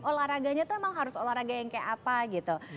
olahraganya tuh emang harus olahraga yang kayak apa gitu